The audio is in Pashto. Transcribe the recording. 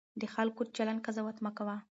د خلکو د چلند قضاوت مه کوه.